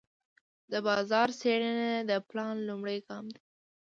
د بازار څېړنه د پلان لومړی ګام دی.